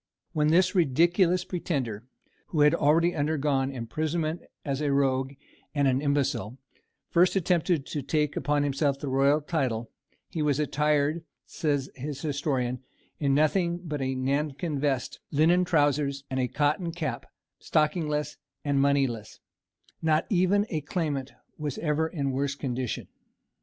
When this ridiculous pretender, who had already undergone imprisonment as a rogue and an imbecile, first attempted to take upon himself the royal title, he was attired, says his historian, in nothing but a nankin vest, linen trousers, and a cotton cap, stockingless and moneyless, not even a claimant was ever in worse condition.